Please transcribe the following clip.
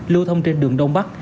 lưu thông trên đường đông bắc